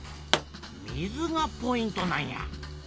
水がポイントなんや。